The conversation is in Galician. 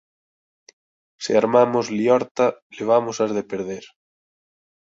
Se armamos liorta, levamos as de perder.